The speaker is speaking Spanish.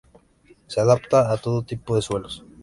Se adapta a todo tipo de suelos.